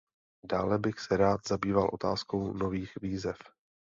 Dále bych se rád zabýval otázkou nových výzev.